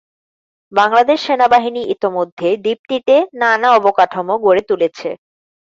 বাংলাদেশ সেনাবাহিনী ইতোমধ্যে দ্বীপটিতে নানা অবকাঠামো গড়ে তুলেছে।